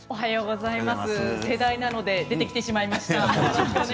世代なので出てきてしまいました。